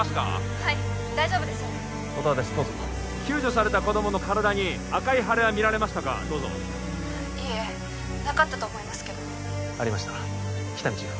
はい大丈夫です音羽ですどうぞ救助された子供の体に赤い腫れはみられましたかどうぞいえなかったと思いますけどありました喜多見チーフは？